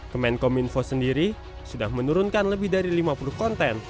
kemenkominfo sendiri sudah menurunkan lebih dari lima puluh konten